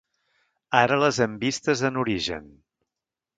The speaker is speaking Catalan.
Ara les hem vistes en origen.